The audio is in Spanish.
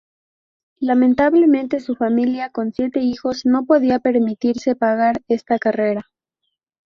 Lamentablemente, su familia, con siete hijos, no podía permitirse pagar esta carrera.